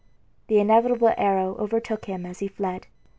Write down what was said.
The inevitable arrow overtook him as he fled.